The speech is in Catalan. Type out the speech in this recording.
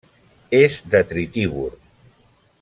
És detritívor.